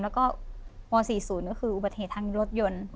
แล้วก็ม๔๐ก็คืออุบัติเหตุทางรถยนต์